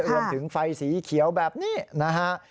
รวมถึงไฟสีเขียวแบบนี้นะฮะ